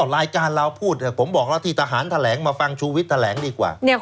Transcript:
รายการเราพูดผมบอกแล้วที่ทหารแถลงมาฟังชูวิทย์แถลงดีกว่า